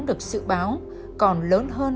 được sự báo còn lớn hơn